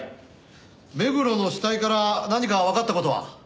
目黒の死体から何かわかった事は？